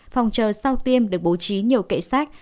phòng trờ sau tiêm được bố trí nhiều kệ sách